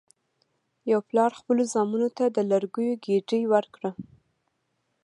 یو پلار خپلو زامنو ته د لرګیو ګېډۍ ورکړه.